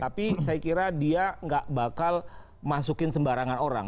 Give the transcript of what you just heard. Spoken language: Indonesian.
tapi saya kira dia nggak bakal masukin sembarangan orang